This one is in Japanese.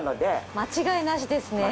間違いなしですね。